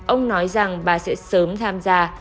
ông nói rằng bà sẽ sớm tham gia